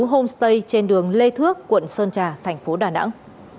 homestay trên đường lê thước quận sơn trà thành phố đà nẵng